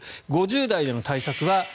５０代での対策。